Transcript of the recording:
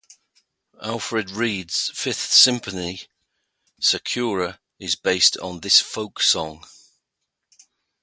Alfred Reed's Fifth Symphony "Sakura" is based on this folk song.